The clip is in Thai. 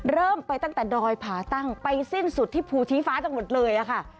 เริ่มไปตั้งแต่ดอยผาตั้งไปสิ้นสุดที่ภูชีฟ้าจังหวัดเลยค่ะ